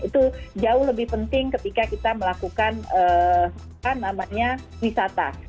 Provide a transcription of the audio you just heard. itu jauh lebih penting ketika kita melakukan wisata